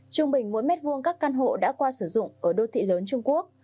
trung bình mỗi mét vuông các căn hộ đã qua sử dụng ở đô thị lớn trung quốc